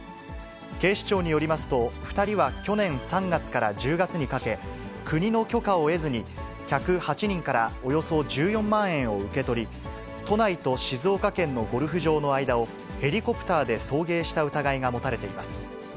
警視庁によりますと、２人は去年３月から１０月にかけ、国の許可を得ずに、客８人からおよそ１４万円を受け取り、都内と静岡県のゴルフ場の間をヘリコプターで送迎した疑いが持たれています。